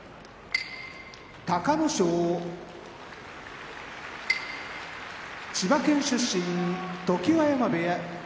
隆の勝千葉県出身常盤山部屋